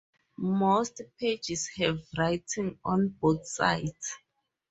Most pages have writing on both sides.